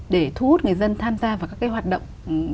để thu hút người dân tham gia vào các cái hoạt động